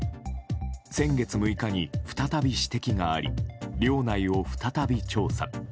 先月６日に再び指摘があり寮内を再び調査。